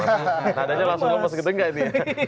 nadanya langsung lemes gede enggak ini